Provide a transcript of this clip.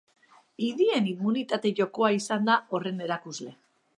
Idien immunitate jokoa izan da horren erakusle.